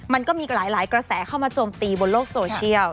มันก็มีหลายกระแสเข้ามาโจมตีบนโลกโซเชียล